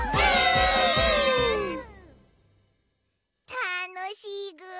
たのしいぐ。